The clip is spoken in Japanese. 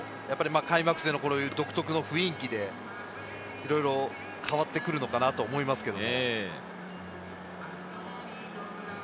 開幕戦のこういう独特の雰囲気の中でいろいろ変わってくるのかなと思いますけど。